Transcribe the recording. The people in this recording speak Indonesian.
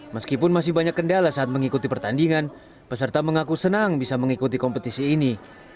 meskipun masih banyak kendala saat mengikuti pertandingan peserta mengaku senang bisa mengikuti kompetisi ini